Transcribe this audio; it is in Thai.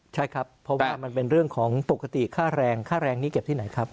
ใช่ครับเพราะว่ามันเป็นเรื่องของปกติค่าแรงค่าแรงนี้เก็บที่ไหนครับ